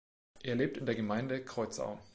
Er lebt in der Gemeinde Kreuzau.